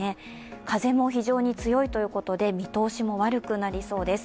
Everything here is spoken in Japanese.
風も非常に強いということで見通しも悪くなりそうです。